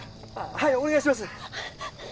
はいお願いします。